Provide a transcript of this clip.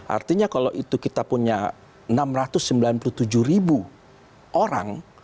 artinya kalau itu kita punya enam ratus sembilan puluh tujuh ribu orang